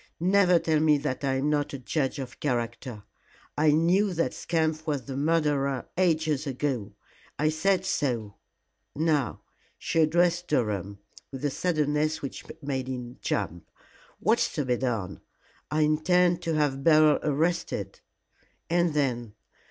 "Never tell me that I am not a judge of character. I knew that scamp was the murderer ages ago. I said so. Now" she addressed Durham with a suddenness which made him jump "what's to be done?" "I intend to have Beryl arrested." "And then?"